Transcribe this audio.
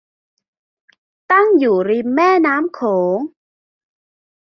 ตั้งอยู่ริมแม่น้ำโขง